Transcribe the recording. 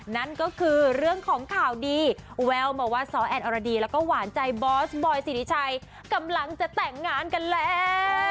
นั่นก็คือเรื่องของข่าวดีแววมาว่าซ้อแอนอรดีแล้วก็หวานใจบอสบอยสิริชัยกำลังจะแต่งงานกันแล้ว